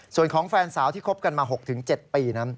ส่วนของแฟนสาวที่คบกันมา๖๗ปีนั้น